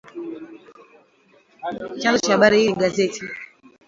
Chanzo cha habari hii ni gazeti